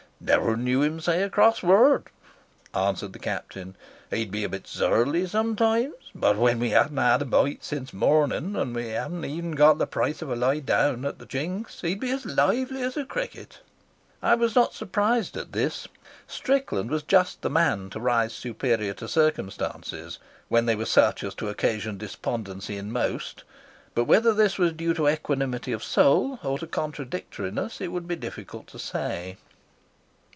"Never knew him say a cross word," answered the Captain. "He'd be a bit surly sometimes, but when we hadn't had a bite since morning, and we hadn't even got the price of a lie down at the Chink's, he'd be as lively as a cricket." I was not surprised at this. Strickland was just the man to rise superior to circumstances, when they were such as to occasion despondency in most; but whether this was due to equanimity of soul or to contradictoriness it would be difficult to say.